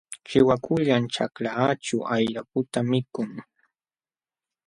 Chiwakullam ćhaklaaćhu ayraputa mikun.